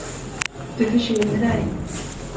Du förkyler dig.